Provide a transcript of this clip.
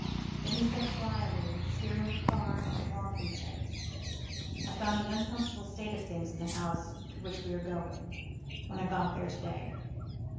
Then he said quietly, steering the car at a walking pace: "I found an uncomfortable state of things in the house to which we are going, when I got there to day."